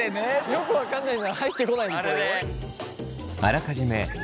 よく分かんないなら入ってこないでくれる？